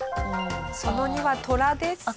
その２はトラです。